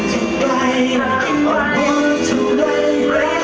ฉันจะรักคุณทุกคนมากครับผม